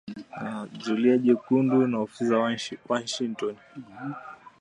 Zulia Jekundu na Ofisi za Washington